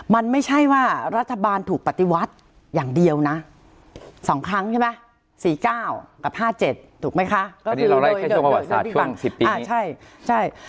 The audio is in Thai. มันไม่ใช่ว่ารัฐบาลถูกปฏิวัติอย่างเดียวนะ๒ครั้งใช่ไหม๔๙กับ๕๗ถูกไหมคะ